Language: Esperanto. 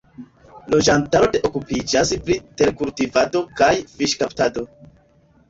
Loĝantaro de okupiĝas pri terkultivado kaj fiŝkaptado.